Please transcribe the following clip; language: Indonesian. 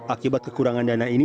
akibat kekurangan dana ini